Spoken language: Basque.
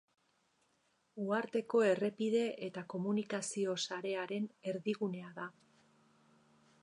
Uharteko errepide eta komunikazio-sarearen erdigunea da.